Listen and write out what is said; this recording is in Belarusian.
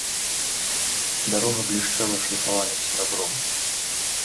Дарога блішчэла шліфаваным серабром.